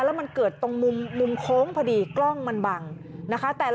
แล้วมันเกิดตรงมุมโค้งพอดีกล้องมันบังนะคะ